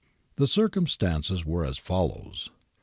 ^ The circumstances were as follows.